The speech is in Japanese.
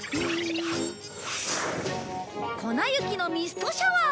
粉雪のミストシャワー！